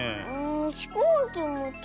ひこうきもと。